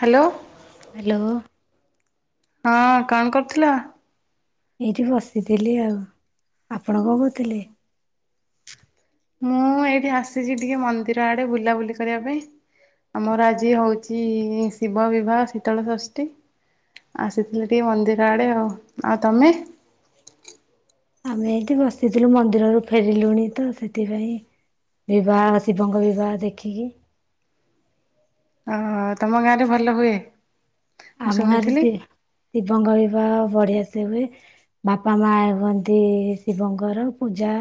Hello. Hello ହଁ କଣ କରୁଥିଲ? ଏଇଠି ବସିଥିଲି ଆଉ ଆପ୍ ଆପଣ କଣ କରୁଥିଲେ? ମୁଁ ଏଇଠି ଆସିଛି ଟିକେ ମନ୍ଦିର ଆଡେ ବୁଲାବୁଲି କରିବା ପାଇଁ, ଆମର ଆଜି ହଉଛି ଶିବ ବିବାହ ଶୀତଳ ଷଷ୍ଠୀ। ଆସିଥିଲି ଟିକେ ମନ୍ଦିର ଆଡେ ଆଉ ଆଉ ତମେ? ଆମେ ଏଠି ବସିଥିଲୁ ମନ୍ଦିରରୁ ଫେରିଲୁଣି ତ ସେଥିପାଇଁ, ବିବାହ ଶିବଙ୍କ ବିବାହ ଦେଖିକି। ଓଓ ତମ ଗାଁଆରେ ଭଲ ହୁଏ? ମୁଁ ଆମ ଗାଁରେ ଶୁଣିଥିଲି ସେ ଶିବଙ୍ଗ ବିବାହ ବଢିଆ ସେ ହୁଏ। ବାପା ମା ହୁଅନ୍ତି ଶିବଙ୍କର, ପୂଜା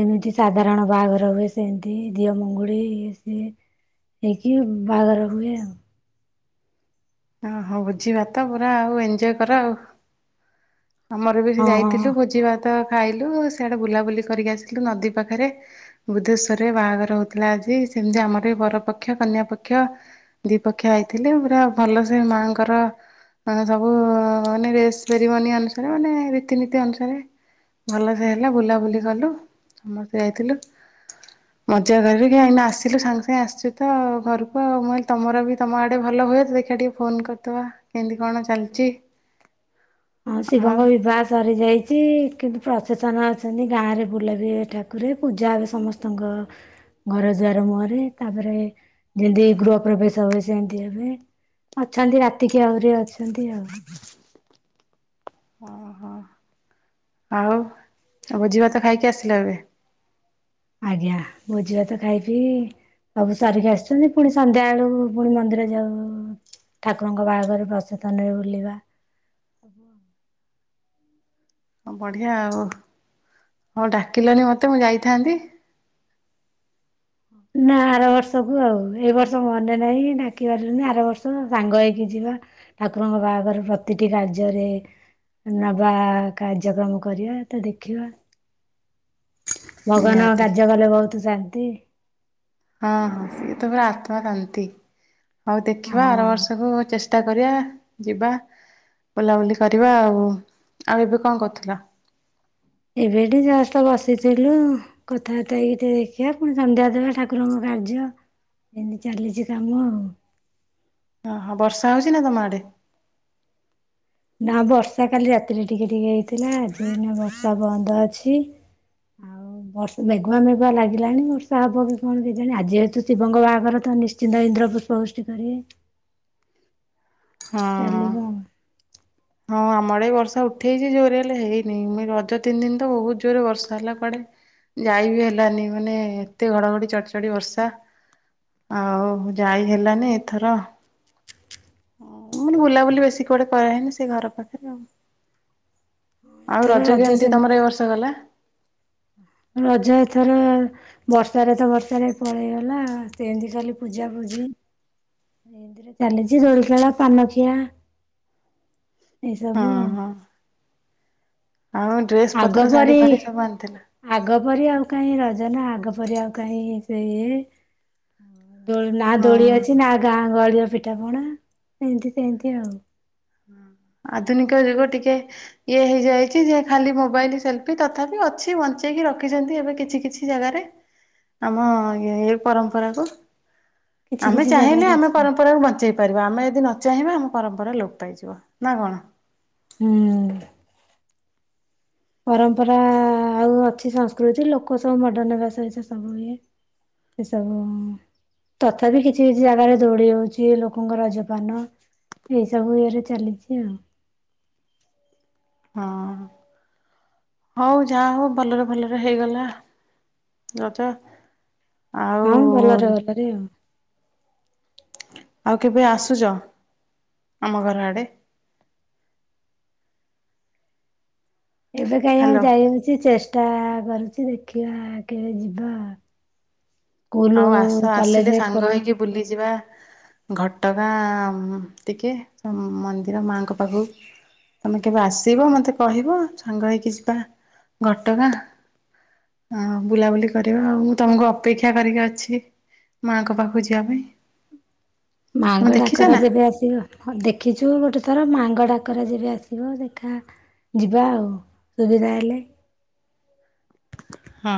ଯେମିତି ସାଧାରଣ ବାହାଘର ହୁଏ ସେମିତି ଦିଅଁ ମଙ୍ଗୁଳି ଇଏସିଏ ହେଇକି ବାହାଘର ହୁଏ ଆଉ। ଓହୋଃ ଭୋଜିଭାତ ପୁରା ଆଉ ଏଞୟ କର ଆଉ। ଆମର ବି ସେ ହଁ ହଁ। ଯାଇଥିଲୁ ଭୋଜିିଭା ତ ଖାଇଲୁ ସେଆଡେ ବୁଲାବୁଲି କରିକି ଆସିଲୁ ନଦୀ ପାଖରେ ବୁଦ୍ଧେଶ୍ଵରରେ ବାହାଘର ହଉଥିଲା ଆଜି ସେମିତି ଆମର ବି ବରପକ୍ଷ କନ୍ୟା ପକ୍ଷ ଦି ପକ୍ଷ ଆଇଥିଲେ ପୁରା ଭଲସେ ମାଆଙ୍କର ସବୁ ମାନେ ରେସ୍ ସେରିମନି ଅନୁ [inaudible] ମାନେ ରୀତିନୀତି ଅନୁସାରେ ଭଲସେ ହେଲା ବୁଲାବୁଲି କଲୁ ସମସ୍ତେ ଯାଇଥିଲୁ ମଜା କରିକରିକା ଏଇନେ ଆସିଲୁ ସାଙ୍ଗେ ସାଙ୍ଗେ ଆସିଛୁ ତ ଘରକୁ ଆଉ ମୁଁ କହିଲି ତମର ବି ତମ ଆଡ଼େ ଭଲ ହୁଏ ତ ଦେଖିବା ଟିକେ ଫୋନ କରିଦବା କେମିତି କଣ ଚାଲିଛି। ହଁ ଆଉ ଶିବଙ୍କ ବିବାହ ସରିଯାଇ [inaudible] କିନ୍ତୁ ପ୍ରସେସନ୍ ଅଛନ୍ତି ଗାଁଆରେ ବୁଲା ବି ହେବେ ଠାକୁରେ ପୂଜା ହେବେ ସମସ୍ତଙ୍କ ଘର ଦୁଆର ମୁହଁରେ ତାପରେ ଯେମିତି ଗୃହ ପ୍ରବେଶ ହୁଏ ସେମିତି ହେବେ ଅଛନ୍ତି ରାତିକି ଆହୁରି ଅଛି। ଏମିତି ଆଉ। ଓହୋଃ ଆଉ ଭୋଜି ଭାତ ଖାଇକି ଆସିଲା ଏବେ? ଆଜ୍ଞା, ଭୋଜି ଭାତ ଖାଇ ପିଇ ସବୁ ସାରିକି ଆସିଛନ୍ତି ପୁଣି ସନ୍ଧ୍ୟା ବେଳକୁ ପୁଣି ମନ୍ଦିର ଯାଉ ଠାକୁରଙ୍କ ବାହାଘର ପ୍ରସେସନରେ ବୁଲିବା ସବୁ ଆଉ ହଁ ବଢିଆ ଆଉ, ହଉ ଡାକିଲନି ମତେ ମୁଁ ଯାଇଥାନ୍ତି। ନା ଆର ବର୍ଷକୁ ଆଉ, ଏଇ ବର୍ଷ ମନେ ନାହିଁ ଡାକି ପାରିଲିନି ଆର ବର୍ଷ ସାଙ୍ଗ ହେଇକି ଯିବା ଠାକୁରଙ୍କ ବାହାଘର ପ୍ରତିଟି କାର୍ଯ୍ୟରେ ନବା କାର୍ଯ୍ୟକ୍ରମ କରିବା ତ ଦେଖିବା। ଭଗବାନଙ୍କ ନିହାତି। କାର୍ଯ୍ୟ କଲେ ବହୁତ ଶାନ୍ତି। ହଁ ହଁ ସିଏ ତ ପୁରା ଆତ୍ମା ଶାନ୍ତି। ହଉ ଦେଖିବା ଆର ହଁ ବର୍ଷକୁ ଚେଷ୍ଟା କରିବା ଯିବା ବୁଲାବୁଲି କରିବା ଆଉ, ଆଉ ଏବେ କଣ କରୁଥିଲ? ଏବେ ଏଠି ଜଷ୍ଟ ବସିଥିଲୁ କଥାବାର୍ତ୍ତା ହେଇକି ଟିକେ ଦେଖିବା ପୁଣି ସନ୍ଧ୍ୟା ଦେବା ଠାକୁରଙ୍କ କାର୍ଯ୍ୟ ଏମିତି ଚାଲିଛି କାମ ଆଉ। ଓହୋଃ ବର୍ଷା ହଉଛି ନା ତମ ଆଡେ? ନା ବର୍ଷା କାଲି ରାତିରେ ଟିକେ ଟିକେ ହେଇଥିଲା ଆଜି ଏଇନା ବର୍ଷା ବନ୍ଦ ଅଛି, ଆଉ ବର୍ଷ ମେଘୁଆ ମେଘୁଆ ଲାଗିଲାଣିି ବର୍ଷା ହବ କି କଣ କେଜାଣି ଆଜି ଯେହେତୁ ଶିବଙ୍କ ବାହାଘର ତ ନିଶ୍ଚିନ୍ତ ଇନ୍ଦ୍ର ପୁଷ୍ପ ବୃଷ୍ଟି କରିବେ। ହଁ ଚାଲିବ ହଁ। ଆଉ। ହଁ ଆମ ଆଡେ ବି ବର୍ଷା ଉଠେଇଛି ଜୋରରେ ହେଲେ ହେଇନି ଏମି ରଜ ତିନି ଦିନ ତ ବହୁତ ଜୋରରେ ବର୍ଷା ହେଲା କୁଆଡେ ଯାଇ ବି ହେଲାନି ମାନେ ଏତେ ଘଡ଼ଘଡ଼ି ଚଡଚଡ଼ି ବର୍ଷା, ଆଉ ଯାଇ ହେଲାନି ଏଥର, ମାନେ ବୁଲାବୁଲି ବେଶୀ କୁଆଡେ କରାହେଇନି ସେ ଘର ପାଖରେ ଆଉ ଆଉ ଏଥର ରଜ କେମିତି ସେମିତି ତମର ଏଇ ବର୍ଷ ଗଲା? ରଜ ଏଥର ବର୍ଷାରେ ତ ବର୍ଷାରେ ପଳେଇଗଲା ସେମିତି କାଲି ପୂଜାପୂଜି ସେମିତିରେ ଚାଲିଛି ଦୋଳିଖେଳ ପାନଖିଆ ଏଇସବୁ ହଁ ଆଉ ହଁ ଆଉ ଆଗ ଡ୍ରେସପତ୍ର ପରି ଶାଢୀଫାଢୀ ସବୁ ଆଣିଥିଲ? ଆଗ ପରି ଆଉ କାହିଁ ରଜ ନା ଆଗ ପରି ଆଉ କାହିଁ ସେ ଇଏ ଦୋଳି ନା ହଁ ଦୋଳି ଅଛି ନା ଗାଁ ଗହଳି ପିଠାପଣା ଏମିତି ସେମିତି ଆଉ ଆଧୁନିକ ଯୁଗ ଟିକେ ଇଏ ହେଇଯାଇଛି ଯେ ଖାଲି ମୋବାଇଲ, ସେଲଫି। ତଥାପି ଅଛି ବଞ୍ଚେଇକି ରଖିଛନ୍ତି ଏବେ କିଛି କିଛି ଜାଗାରେ। ଆମ-ଅ-ଅ ଇ ପରମ୍ପରା କୁ। କିଛି ଆମେ କିଛି ଚାହିଁଲେ ଜାଗାରେ ଆମେ ଅଛି ପରମ୍ପରା କୁ ବଞ୍ଚେଇ ପାରିବା। ଆମେ ଯଦି ନ ଚାହିଁବା ଆମ ପରମ୍ପରା ଲୋପ ପାଇଯିବ। ନା କଣ? ହୁଁ-ଉ-ଉ। ପରମ୍ପରା-ଆ-ଆ-ଆ ଆଉ ଅଛି ସଂସ୍କୃତି ଲୋକ ସବୁ ମଡର୍ଣ [unintelligible] ସବୁ ଇଏ। ଏସବୁ-ଉ-ଉ ତଥାପି କିଛି କିଛି ଜାଗାରେ ଦୌଡି ହଉଛି, ଲୋକଙ୍କ ରଜପାନ। ଏଇ ସବୁ ଇଏରେ ଚାଲିଛି ଆଉ ହଁ ହଉ ଯାହା ହଉ ଭଲରେ ଭଲରେ ହେଇଗଲା ରଜ ହଁ ଭଲରେ ଆଉ ଭଲରେ ଆଉ। ଆଉ କେବେ ଆସୁଛ ଆମ ଘର ଆଡେ? ଏବେ କାହିଁ ଆଉ ହ୍ୟାଲୋ ଯାଇ ହଉଛି ଚେଷ୍ଟା-ଆ-ଆ [unintelligible] ଦେଖିଆ କେବେ ଯିବା ସ୍କୁଲ ଆଉ ଆସ କଲେଜ ଆସିଲେ ସାଙ୍ଗ ଖୋଲ ହେଇକି ବୁଲିଯିବା। ଘଟଗାଁ-ଆ-ଆ ଟିକେ ମନ୍ଦିର ମାଙ୍କ ପାଖକୁ ତମେ କେବେ ଆସିବ ମତେ କହିବ ସାଙ୍ଗ ହେଇକି ଯିବା ଘଟଗାଁ ଆ ବୁଲାବୁଲି କରିବା ଆଉ ମୁଁ ତମକୁ ଅପେକ୍ଷା କରିକି ଅଛି ମାଙ୍କ ପାଖକୁ ଯିବା ପାଇଁ। ତମେ ମାଙ୍କ ଦେଖିଛ ଡାକରା ନା ଯେବେ ଆସିବ, ଦେଖିଛୁ ଯିବୁ ଗୋଟେ ଥର ମାଙ୍କ ଡାକରା ଯବେ ଆସିବ ଦେଖା ଯିବା ଆଉ ସୁବିଧା ହେଲେ ହଁ।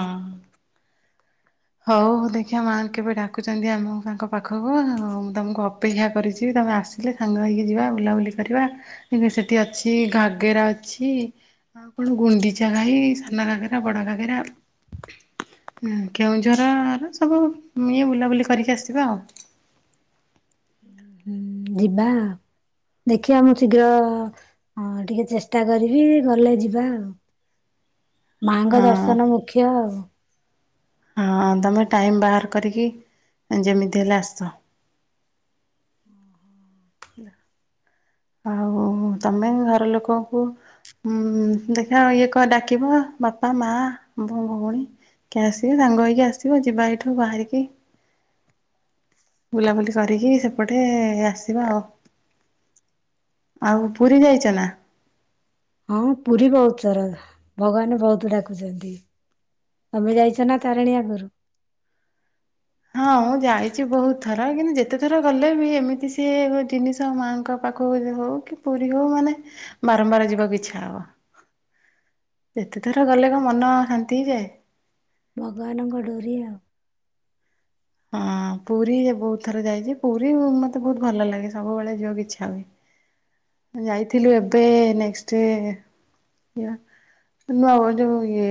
ହଉଉ ଦେଖିବା ମାଆ କେବେ ଡାକୁଛନ୍ତି ଆମ ତାଙ୍କ ପାଖକୁ। ଉମ୍ ମୁଁ ତମକୁ ଅପେକ୍ଷା କରିଛିି। ତମେ ଆସିଲେ ସାଙ୍ଗ ହେଇକି ଯିବା ବୁଲାବୁଲି କରିବା। ଏବେ ସେଠି ଅଛି ଘାଗେରା ଅଛି, ଆଉ କଣ ଗୁଣ୍ଡିଚା ଘାଇ, ସାନ ଘାଗେରା, ବଡ ଘାଗେରା। କେଉଁଝରର ସବୁ ଇଏ ବୁଲାବୁଲି କରିକି ଆସିବା ଆଉ। ଯିବା-ଆ-ଆ ଦେଖିବା ମୁଁ ଶୀଘ୍ର-ଅ-ଅ ଅ ଟିକେ ଚେଷ୍ଟା କରିବି ଗଲେ ଯିବା ଆଉ। ମାଙ୍କ ହଁ ଦର୍ଶନ ମୁଖ୍ୟ ଆଉ। ହଁ ତମେ ଟାଇମ୍ ବାହାର କରିକି ଯେମିତି ହେଲେ ଆସ। ଆଉ ତମେ ଘର ଲୋକକୁ ଉମ୍-ମ୍-ମ୍ ଦେଖା ଇଏ କର ଡ଼ାକିବ ବାପା, ମା, ଭଉଣୀ କିଏ ଆସିବେ ସାଙ୍ଗ ହେଇକି ଆସିବ। ଯିବା ଏଇଠୁ ବାହାରିକି ବୁଲାବୁଲି କରିକି ସେପଟେ-ଏ-ଏ ଆସ ଆସିବ ଆଉ, ଆଉ ପୁରୀ ଯାଇଛ ନା? ହଁ ପୁରୀ ବହୁତ ଥର ଭଗବାନ ବହୁତୁ ଡାକୁଛନ୍ତି। ତମେ ଯାଇଛ ନା ତାରିଣୀ ଆଗରୁ? ହଁ ମୁଁ ଯାଇଛି ବହୁତ ଥର କିନ୍ତୁ ଯେତେଥର ଗଲେ ବି ଏମିତି ସିଏ ଗ ଜିନିଷ ମାଙ୍କ ପାଖକୁ ହଉ କି ପୁରୀ ହଉ ମାନେ ବାରମ୍ବାର ଯିବାକୁ ଇଛା ହବ। ଯେତେ ଥର ଗଲେ କ ମନ ଶାନ୍ତି ହେଇଯାଏ। ଭଗବାନଙ୍କ ଡୋରି ଆ ହଁ ପୁରୀ ଯେ ବହୁତ ଥର ଯାଇଛି। ପୁରୀ ଇ ମତେ ବହୁତ ଭଲ ଲାଗେ ସବୁବେଳେ ଯିବାକୁ ଇଛା ହୁଏ। ଯାଇଥିଲୁ ଏବେ-ଏ-ଏ ନେକ୍ସଟ ଇ ନୂଆ ଯୋଉ ଇଏ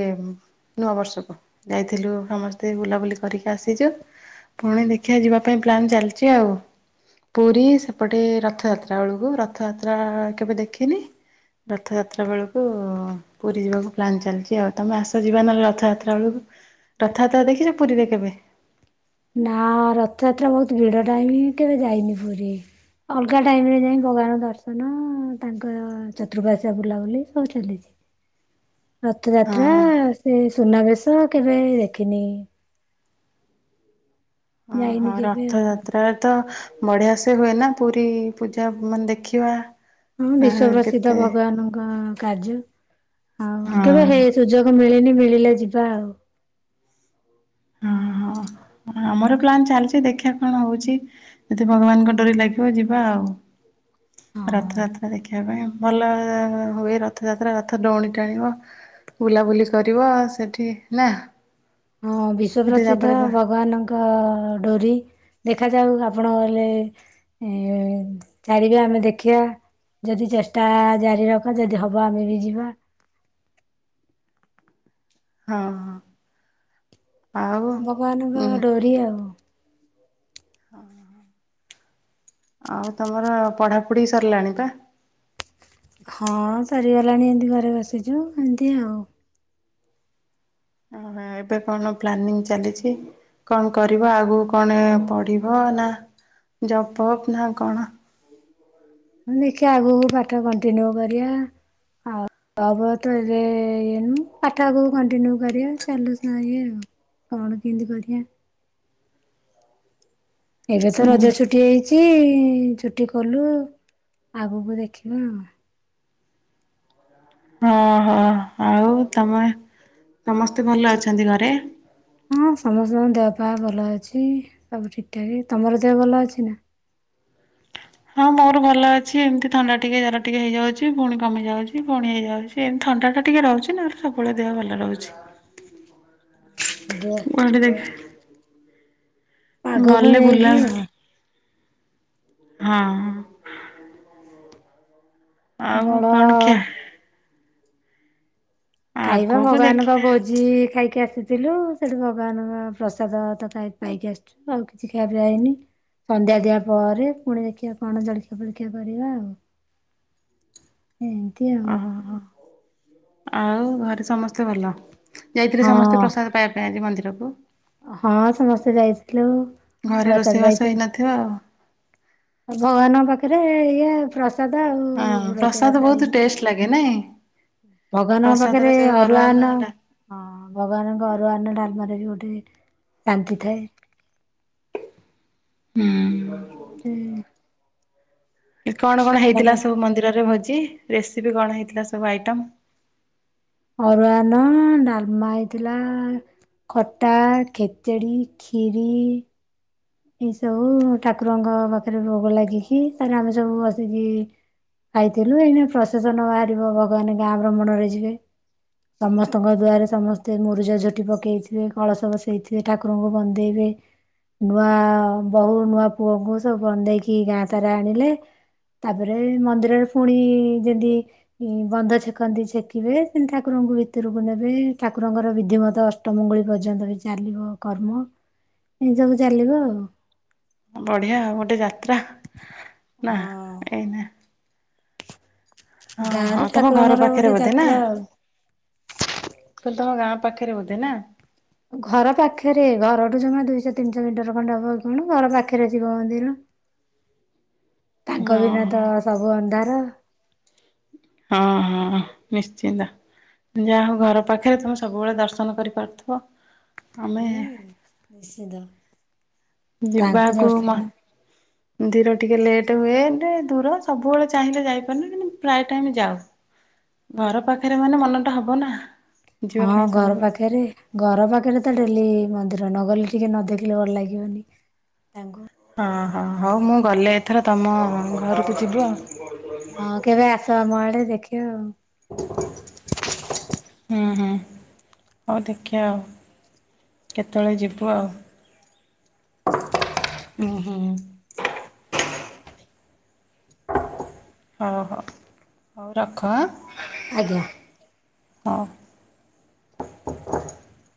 ନୂଆ ବର୍ଷକୁ ଯାଇଥିଲୁ ସମସ୍ତେ ବୁଲାବୁଲି କରିକି ଆସିଛୁ। ପୁଣି ଦେଖିବା ଯିବା ପାଇଁ ପ୍ଲାନ୍ ଚାଲିଛି ଆଉ। ପୁରୀ ସେପଟେ ରଥଯାତ୍ରା ବେଳକୁ ର ରଥଯାତ୍ରା କେବେ ଦେଖିନି। ରଥଯାତ୍ରା ବେଳକୁ ପୁରୀ ଯିବାକୁ ପ୍ଲାନ୍ ଚାଲିଛି। ଆଉ ତମେ ଆସ ଯିବା ନହେଲେ ରଥଯାତ୍ରା ବେଳକୁ। ରଥଯାତ୍ରା ଦେଖିଛ ପୁରୀରେ କେବେ? ନା-ଆ-ଆ ରଥଯାତ୍ରା ବହୁତ ଭିଡ ଟାଇମ କେବେ ଯାଇନି ପୁରୀ। ଅଲଗା ଟାଇମରେ ଯାଇ ଭଗବାନ ଦର୍ଶନ ତାଙ୍କର ଚତୁପାଶ୍ୟା ବୁଲାବୁଲି ସବୁ ଚାଲିଛି। ହଁ ରଥଯାତ୍ରା ହଁ ସେ ସୁନାବେେଶ କେବେ ଦେଖିନି। ଯାଇନି ଓହୋ କେବେ ଆଉ ରଥଯାତ୍ରା ତ ବଢିଆ ସେ ହୁଏ ନା ପୁରୀ ପୂଜା ମାନେ ଦେଖିବା ହଁ ବିଶ୍ଵ ପ୍ରସିଦ୍ଧ ଭଗବାନଙ୍କ କାଜୁ ଆଉ ହଁ କେବେ ହେଇ ସୁଯୋଗ ମିଳିନି ମିଳିଲେ ଯିବା ଆଉ ହଁ ହଁ ଆମର ପ୍ଲାନ୍ ଚାଲିଛି, ଦେଖିବା କଣ ହଉଛି ଯଦି ଭଗବାନଙ୍କ ଡୋରି ଲାଗିବ ଯିବା ଆଉ, ହଁ। ରଥଯାତ୍ରା ଦେଖିବା ପାଇଁ ଭଲ ହୁଏ। ରଥଯାତ୍ରା ରଥ ଦଉଡୀ ଟାଣିବ ବୁଲାବୁଲି କରିବ ସେଠି ନା। ହଁ ବିଶ୍ଵ ସେଠି ପ୍ରସିଦ୍ଧ ତାପରେ ହଁ ଭଗବାନଙ୍କ ଡୋରି ଦେଖାଯାଉ ଆପଣ ଗଲେ ଚାରିବା ଆମେ ଦେଖିବା ଯଦି ଚେଷ୍ଟା ଜାରି ରଖ ଯଦି ହବ ଆମେ ବି ଯିବା। ହଁ ହଁ। ଭଗବାନଙ୍କ ଡୋରି ଆଉ ହ ଆଉ ତମର ପଢାପଢି ସରିଲାଣି ବା। ହଁ ସରିଗଲାଣି ଏମିତି ଘରେ ବସିଛୁ ଏମିତି ଆଉ। ଓ ଏବେ କଣ ପ୍ଲାନିଂ ଚାଲିଛି। କଣ କରିବ ଆଗକୁ କଣ ପଢିବ ନା ଜପ ଅପ୍ ନା କଣ? ମୁଁ ଦେଖି ଆଗକୁ ପାଠ କଣ୍ଟିନ୍ୟୁ କରିବା ଆଉ ହବ ତ ଏବେ ଇଏନୁ ପାଠ ଆଗକୁ କଣ୍ଟିନ୍ୟୁ କରିବା ଚାଲୁ ଇଏ ଆଉ କଣ କେମିତି କରିବା। ଏବେ ତ ରଜ ଛୁଟି ହେଇଛି ଚୁଟି ଖୋଲୁ ଆଗକୁ ଦେଖିବା। ହଁ ହୋ ଆଉ ତମେ ସମସ୍ତେ ଭଲ ଅଛନ୍ତି ଘରେ। ହଁ ସମସ୍ତଙ୍କ ଦେହ ପା ଭଲ ଅଛି। ସବୁ ଠିକ ଠାକ ତମର ଦେହ ଭଲ ଅଛି ନା। ହଁ ମୋର ଭଲ ଅଛି। ଏମିତି ଥଣ୍ଡା ଟିକେ ଜର ଟିକେ ହେଇଯାଉଛି। ପୁଣି କମି ଯାଉଛି ପୁଣି ହେଇଯାଉଛି। ଏମିତି ଥଣ୍ଡା ଟା ଟିକେ ରହୁଛି ନାଲେ ସବୁବେଳେ ଦେହ ଭଲ ରହୁଛି ଦେ। ଆଗକୁ ଗଲେ ବୁଲା ନେଇକି ହଁଅ। ବଡ଼ ଖିଆ ଖାଇବା ଆଗକୁ ଭଗବାନଙ୍କ ଦେଖିବା। ଭୋଜି ଖାଇ କି ଆସିଥିଲୁ ସେଠି ଭଗବାନଙ୍କ ପ୍ରସାଦ ତ ପାଇକି ଆସିଛୁ। ଆଉ କିଛି ଖାଇବାପି ହେଇନି ସନ୍ଧ୍ୟା ଦଆ ପରେ ପୁଣି ଦେଖିବା କଣ ଜଳଖିଆ ଫଳଖିଆ କରିବା ଆଉ। ଏମିତି ଆଉ ଓହୋ ଆଉ ଘରେ ସମସ୍ତେ ଭଲ। ଯାଇଥିଲେ ସମସ୍ତେ ହଁ ପ୍ରସାଦ ପାଇବା ପାଇଁ ଆଜି। ଭନ୍ଦ୍ରକୁ। ହଁ ସମସ୍ତେ ଯାଇଥିଲେ। ଘରେ ରୋଷେଇବାସ ହେଇନଥିବ ଆଉ। ଆଉ ଭଗବାନଙ୍କ ପାଖରେ ଇଏ ପ୍ର ହଁ ପ୍ରସାଦ ବହୁତ ଟେଷ୍ଟ ଲାଗେ ନାଇଁ। ଭଗବାନଙ୍କ ପ୍ରସାଦରେ ପାଖରେ ଯୋଉ ଅରୁଆ ଅନ୍ନ ଅରୁଆନ ହେଲା ହଁ ଭଗବାନଙ୍କ ଅରୁଆନ ଡାଲମରେ ବି ଗୋଟେ ଶାନ୍ତି ଥାଏ। ହୁଁ। ଗୋଟେ କଣ କଣ ଅଲଗା ହେଇଥିଲା ସବୁ ମନ୍ଦିରରେ ଭୋଜି। ରେସିପି କଣ ହେଇଥିଲା ସବୁ ଆଇଟମ୍। ଅରୁଆ ନ ଡାଲ ମା ହେଇଥିଲା ଖଟା, ଖେଚେଡି, ଖିରି। ଏଇ ସବୁ ଠାକୁରଙ୍କ ପାଖରେ ଭୋଗ ଲାଗିକି ତାର ଆମେ ସବୁ ବସିକି ଖଥିଲୁ ଏଇ ପ୍ରସାସନ ବାହାରିବ ଭଗବାନ ଗାଁ ଭ୍ରମଣରେ ଯିବେ, ସମସ୍ତଙ୍କ ଦୁଆରେ ସମସ୍ତେ ମୁରୁଜ ଝୋଟି ପକେଇଥିବେ କଳସ ବସେଇଥିବେ ଠାକୁରଙ୍କୁ ବନ୍ଦେଇବେ ନୂଆ ବୋହୂ ନୂଆ ପୁଅଙ୍କୁ ସବୁ ବନ୍ଦେଇକି ଗାଁ ତାର ଆଣିଲେ ତାପରେ ମନ୍ଦିରରେ ପୁଣି ଯେମି ବନ୍ଧ ଛେକନ୍ତି ଛେକିବେ ସେମିତି ଠାକୁରଙ୍କୁ ଭିତରକୁ ନେବେ ଠାକୁରଙ୍କର ବିଧିମତ ଅଷ୍ଟମଙ୍ଗୁଳି ପର୍ଯ୍ୟନ୍ତ ବି ଚାଲିବ କର୍ମ ଏ ସବୁ ଚାଲିବ ଆଉ। ବଢିଆ ଆଉ ଗୋଟେ ଯାତ୍ରା। ନା ହଁ ଏଇନେ ହଁ ହଁ ଗାଁରେ ତମ ଘର ଠାକୁରଙ୍କର ପାଖରେ ଗୋଟେ ବୋଧେ ନା। ଯାତ୍ରା ଆଉ। ତମ ଗାଁ ପାଖରେ ବୋଧେ ନା। ଘର ପାଖରେ ଘରଠୁ ଜମା ଦୁଇଶହ ତିନିଶହ ମିଟର ଖଣ୍ଡେ ହବ କି କଣ ଘର ପାଖରେ ଶିବ ମନ୍ଦିର। ତାଙ୍କ ବିନା ଓହୋ ତ ସବୁ ଅନ୍ଧାର। ହଁ ହଁ ନିଶ୍ଚିନ୍ତ ଯା ହଉ ଘର ପାଖରେ ତମେ ସବୁବେଳେ ଦର୍ଶନ କରିପାରୁଥିବ। ଆମେ ହୁଁ ନିଶ୍ଚିନ୍ତ। ଯିବାକୁ ନା ମନ୍ଦିର ଟିକେ ଲେଟ୍ ହୁଏ ଏତେ ଦୂର ସବୁବେଳେ ଚାହିଁଲେ ଯାଇପାରୁନି କିନ୍ତ ପ୍ରାୟ ଟାଇମ ଯାଉ ଘର ପାଖରେ ମାନେ ମନଟା ହବ ନା। ଯିବା ହଁ ପାଇଁ ଘର ସବୁବେଳେ। ପାଖରେ ଘର ପାଖରେ ତ ଡେଲି ମନ୍ଦିର ନ ଗଲେ ଟିକେ ନ ଦେଖିଲେ ଭଲ ଲାଗିବନି ତାଙ୍କୁ ହଁ ହଁ ହଉ ମୁଁ ଗଲେ ଏଥର ତମ ଘରକୁ ଯିବି ଆଉ। ହଁ କେବେ ଆସ ଆମ ଆଡେ ଦେଖିବ ଆଉ। ହୁଁ ହୁଁ ହଉ ଦେଖିବା ଆଉ କେତେବେଳେ ଯିବୁ ଆଉ। ହୁଁ ହୁଁ। ହଉ ହଉ ହଉ ରଖ। ଆଜ୍ଞା। ହଉ। ହଁ [inaudible]